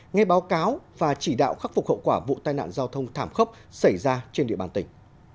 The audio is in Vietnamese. nghe báo cáo và chỉ đạo khắc phục hậu quả vụ tai nạn giao thông thảm khốc xảy ra trên địa bàn tỉnh